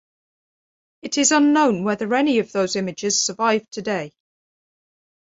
It is unknown whether any of those images survive today.